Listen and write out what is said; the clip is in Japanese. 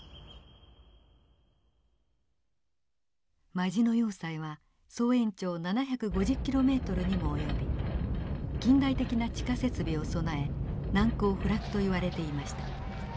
マジノ要塞は総延長７５０キロメートルにも及び近代的な地下設備を備え難攻不落といわれていました。